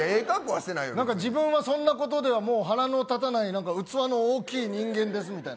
自分はそんなことではもう腹の立たない器の大きい人間ですみたいな。